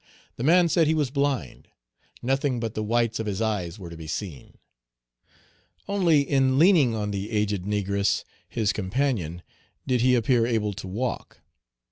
The man said he was blind; nothing but the whites of his eyes were to be seen. Only in leaning on the aged negress, his companion, did he appear able to walk.